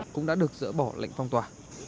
cũng đã được dỡ bỏ lệnh phong tỏa